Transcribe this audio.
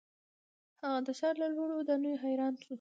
هغه د ښار له لوړو ودانیو حیران شو.